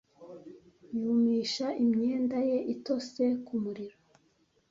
Yumisha imyenda ye itose ku muriro.